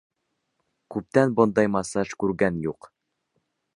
Күптән бындай массаж күргән юҡ!